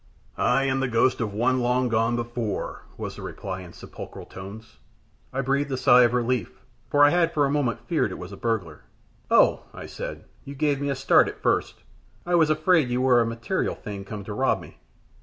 "I am the ghost of one long gone before," was the reply, in sepulchral tones. I breathed a sigh of relief, for I had for a moment feared it was a burglar. "Oh!" I said. "You gave me a start at first. I was afraid you were a material thing come to rob me."